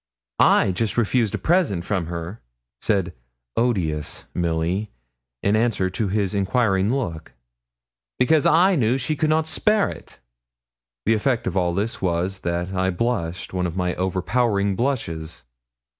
'I just refused a present from her,' said odious Milly, in answer to his enquiring look, 'because I knew she could not spare it.' The effect of all this was that I blushed one of my overpowering blushes.